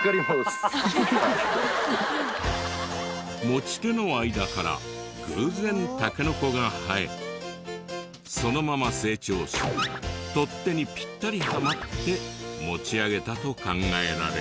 持ち手の間から偶然タケノコが生えそのまま成長し取っ手にピッタリハマって持ち上げたと考えられる。